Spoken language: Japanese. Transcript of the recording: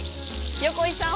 横井さん